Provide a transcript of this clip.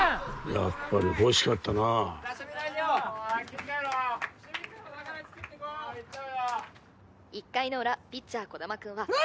やっぱり欲しかったな１回の裏ピッチャー児玉くんはプレー！